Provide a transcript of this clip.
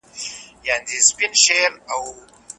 ایا څېړونکی باید د متن هدف روښانه کړي؟